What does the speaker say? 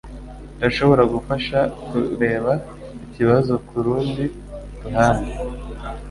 Irashobora gufasha kureba ikibazo kurundi ruhande.